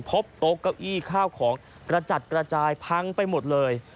โต๊ะเก้าอี้ข้าวของกระจัดกระจายพังไปหมดเลย